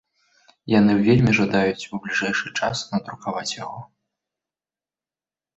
Яны вельмі жадаюць у бліжэйшы час надрукаваць яго.